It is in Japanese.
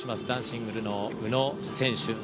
男子シングルの宇野選手